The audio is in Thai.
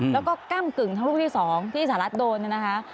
แล้วก็ก้ำกึ่งทั้งลูกที่๒ที่สหรัฐโดนเนี่ยนะคะ